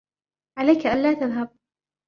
عليك ألا تذهب.